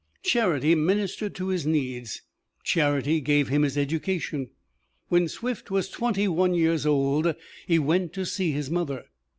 Charity ministered to his needs; charity gave him his education. When Swift was twenty one years old he went to see his mother.